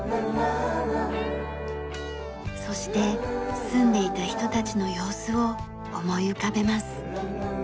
そして住んでいた人たちの様子を思い浮かべます。